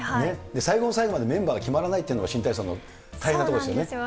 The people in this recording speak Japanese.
最後の最後までメンバーが決まらないというのが、新体操の大変なところですよね。